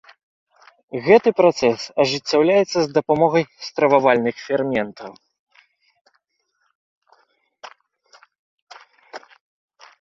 Гэты працэс ажыццяўляецца з дапамогай стрававальных ферментаў.